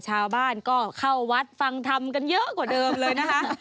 ชาวบ้านก็เข้าวัดฟังธรรมกันเยอะกว่าเดิมเลยนะคะ